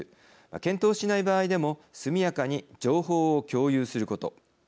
検討しない場合でも速やかに情報を共有すること。